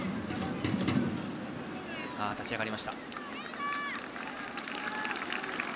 立ち上がりました。